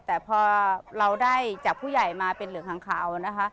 แต่พอเราได้จากผู้ใหญ่มาเป็นเหลืองหางขาวนะคะ